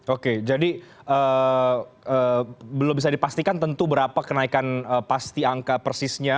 oke jadi belum bisa dipastikan tentu berapa kenaikan pasti angka persisnya